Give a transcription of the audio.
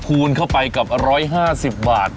คูณเข้าไปกับ๑๕๐บาท